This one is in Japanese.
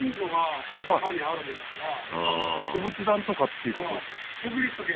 お仏壇とかっていうことですか？